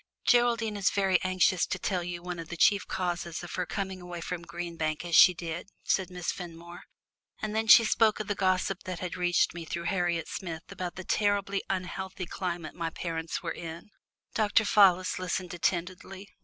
"Geraldine is very anxious to tell you one of the chief causes of her coming away from Green Bank as she did," said Miss Fenmore. And then she spoke of the gossip that had reached me through Harriet Smith about the terribly unhealthy climate my parents were in. Dr. Fallis listened attentively.